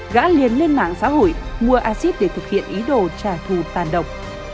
gã liền lên mạng xã hội mua acid để thực hiện ý đồ trả thù tàn độc